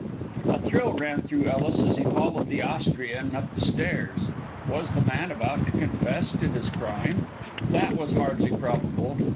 A thrill ran though Ellis as he followed the Austrian up the stairs. Was the man about to confess to his crime? That was hardly probable.